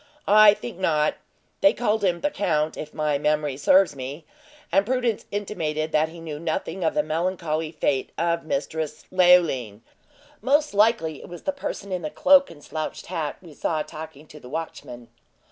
"I think not; they called him the count, if my memory serves me, and Prudence intimated that he knew nothing of the melancholy fate of Mistress Leoline. Most likely it was the person in the cloak and slouched hat we saw talking to the watchman."